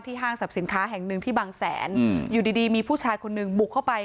ห้างสรรพสินค้าแห่งหนึ่งที่บางแสนอยู่ดีมีผู้ชายคนหนึ่งบุกเข้าไป